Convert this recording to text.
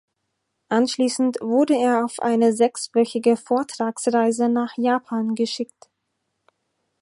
Anschließend wurde er auf eine sechswöchige Vortragsreise nach Japan geschickt.